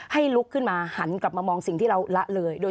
ลุกขึ้นมาหันกลับมามองสิ่งที่เราละเลย